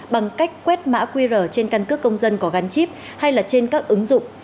bằng cách quét mã qr trên căn cước công dân có gắn chip hay là trên các ứng dụng